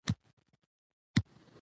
اداره باید روښانه کړنلارې ولري.